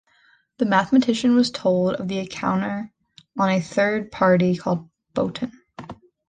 The Mathematician was told of the encounter by a third party called Botón.